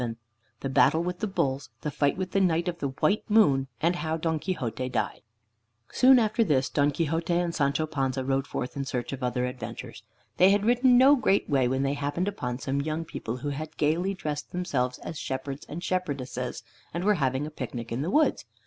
VII THE BATTLE WITH THE BULLS; THE FIGHT WITH THE KNIGHT OF THE WHITE MOON; AND HOW DON QUIXOTE DIED Soon after this, Don Quixote and Sancho Panza rode forth in search of other adventures. They had ridden no great way when they happened upon some young people who had gaily dressed themselves as shepherds and shepherdesses, and were having a picnic in the woods.